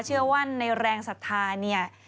เชื่อว่าในแรงศรัทธาเนี่ย